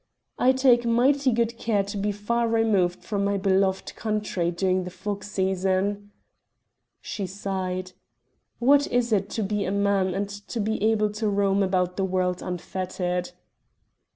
"I take mighty good care to be far removed from my beloved country during the fog season." She sighed. "What it is to be a man and to be able to roam about the world unfettered."